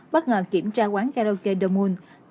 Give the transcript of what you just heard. bất ngờ kiểm tra quán karaoke the moon